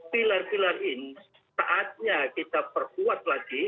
pilar pilar ini saatnya kita perkuat lagi